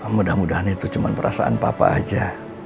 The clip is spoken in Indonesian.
mudah mudahan itu cuma perasaan papa aja